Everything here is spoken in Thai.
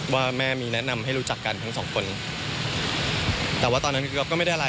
ว่าแม่มีแนะนำให้รู้จักกันทั้งสองคนแต่ว่าตอนนั้นพี่ก๊อฟก็ไม่ได้อะไร